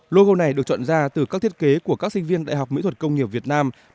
logo này được chọn ra từ các thiết kế của các sinh viên đại học mỹ thuật công nghiệp việt nam